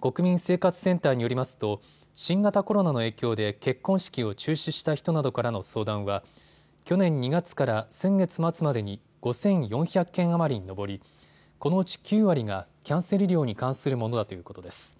国民生活センターによりますと新型コロナの影響で結婚式を中止した人などからの相談は去年２月から先月末までに５４００件余りに上りこのうち９割がキャンセル料に関するものだということです。